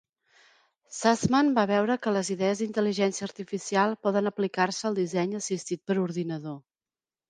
Sussman va veure que les idees d'intel·ligència artificial poden aplicar-se al disseny assistit per ordinador.